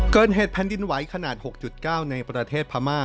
เกิดเหตุแผ่นดินไหวขนาด๖๙ในประเทศพม่า